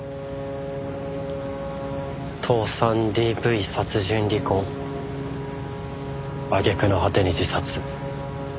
倒産ＤＶ殺人離婚揚げ句の果てに自殺。